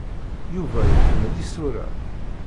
Yuba iḥemmel isura.